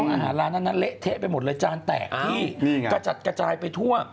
อาหารร้านนั้นเละเทะไปหมดเลยจานแตกที่กระจัดกระจายไปทั่ว